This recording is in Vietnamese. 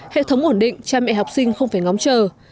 hệ thống ổn định cha mẹ học sinh không phải ngóng chờ